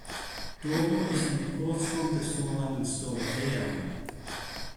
Doro ist eine Kurzform des Vornamens Dorothea.